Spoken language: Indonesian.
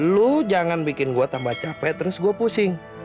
lu jangan bikin gua tambah capek terus gua pusing